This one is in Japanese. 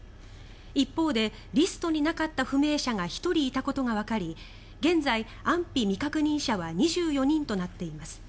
一方でリストになかった不明者が１人いたことがわかり現在、安否未確認者は２４人となっています。